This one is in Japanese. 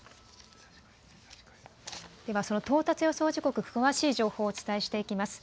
ではその到達予想時刻、詳しい情報をお伝えしていきます。